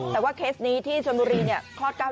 แต่ว่าเคสนี้ที่ชวนบุรีนี่คลอด๙เดือน